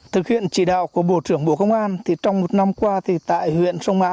thực hiện chỉ đạo của bộ trưởng bộ công an thì trong một năm qua thì tại huyện sông mã